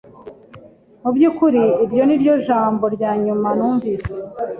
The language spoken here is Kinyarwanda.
Mu byukuri iryo ni ryo jambo rya nyuma numvise